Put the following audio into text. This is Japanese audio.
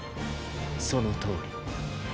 そのとおり。